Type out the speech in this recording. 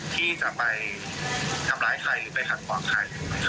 ที่จะไปทำร้ายใครหรือไปขัดขวางใคร